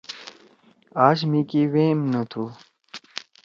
آش مھی کی ویم نہ تُھو۔